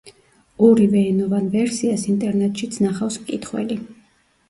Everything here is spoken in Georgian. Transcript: ორივე ენოვან ვერსიას ინტერნეტშიც ნახავს მკითხველი.